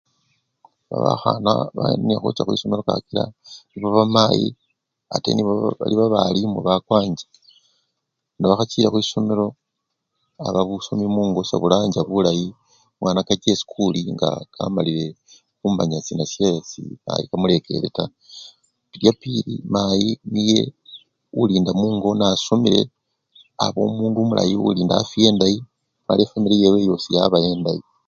Bakhana bali nekhucha khwisomelo kakila bamayi babe! bali babalimu bakwancha nga bakhachile khwisomelo aba busomi mungo sebulancha bulayi omwana kache esikuli nga kamalile khumanya sina syesi mayi kamulekele taa, yapili mayi niye olinda mungo nasomile, aba omundu omulayi olinda afiya endayi mala efwamili yewe yosi yaba endayi.